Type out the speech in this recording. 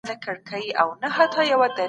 احمد شاه ابدالي څنګه له مخالفينو سره چلند کاوه؟